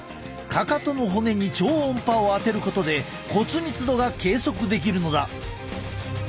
かかとの骨に超音波を当てることで骨密度が計測できるのだ。